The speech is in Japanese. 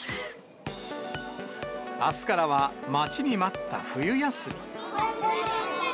あすからは、待ちに待った冬休み。